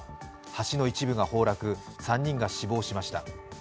橋の一部が崩落、３人が死亡しました。